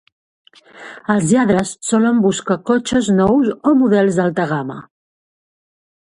Els lladres solen buscar cotxes nous o models d'alta gamma.